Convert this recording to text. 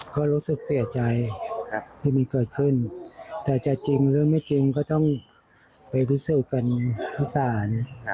ก็รู้สึกเสียใจที่มันเกิดขึ้นแต่จะจริงหรือไม่จริงก็ต้องไปพิสูจน์กันที่ศาล